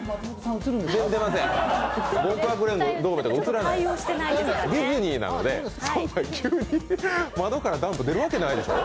映りません、ディズニーなので、窓からダンプが出るわけないでしょう？